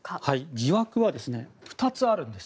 疑惑は２つあるんです。